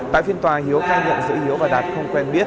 tại phiên tòa hiếu khai nhận giữa hiếu và đạt không quen biết